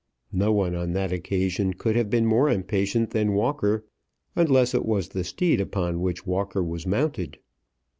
No one on that occasion could have been more impatient than Walker, unless it was the steed upon which Walker was mounted.